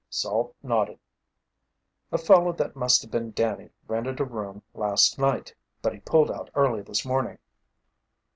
Salt nodded. "A fellow that must have been Danny rented a room last night, but he pulled out early this morning."